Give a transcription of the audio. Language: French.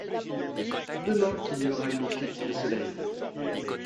C’est demain qu’il y aura une éclipse de soleil.